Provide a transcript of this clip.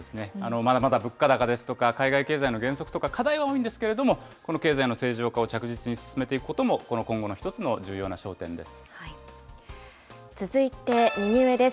まだまだ物価高ですとか、海外経済の減速とか課題は多いんですけれども、この経済の正常化を着実に進めていくことも、この今後の続いて右上です。